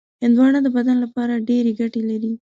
هندوانه د بدن لپاره ډېرې ګټې لري.